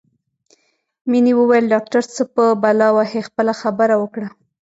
مينې وویل ډاکټر څه په بلا وهې خپله خبره وکړه